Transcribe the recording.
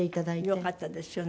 よかったですよね。